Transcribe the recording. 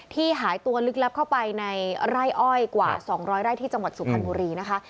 หายตัวลึกลับเข้าไปในไร่อ้อยกว่า๒๐๐ไร่ที่จังหวัดสุพรรณบุรีนะคะ